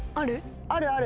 あるある！